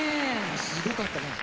すごかったね。